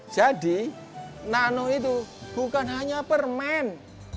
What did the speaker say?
jadi nano itu bukan hanya permen